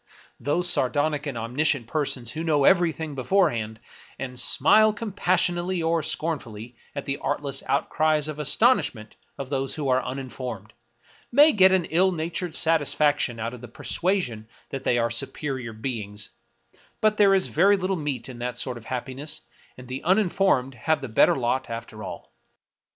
Those sardonic and omniscient persons who know every thing beforehand, and smile compassionately or scornfully at the artless outcries of astonishment of those who are un informed, may get an ill natured satisfaction out of the persuasion that they are superior beings ; but there is very little meat in that sort of happiness, and the uninformed have the better lot after all.